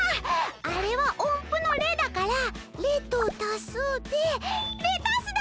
あれはおんぷの「レ」だから「レ」と「たす」でレタスだ！